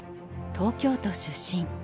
東京都出身。